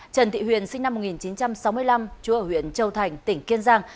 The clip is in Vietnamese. trần thị huyền sinh năm một nghìn chín trăm sáu mươi năm chú ở huyện châu thành tỉnh kiên giang